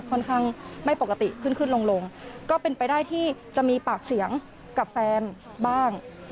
ค่อนข้างไม่ปกติขึ้นขึ้นลงลงก็เป็นไปได้ที่จะมีปากเสียงกับแฟนบ้าง